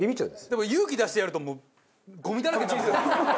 でも勇気出してやるともうごみだらけになるんですよ。